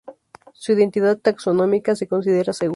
Su identidad taxonómica se considera segura.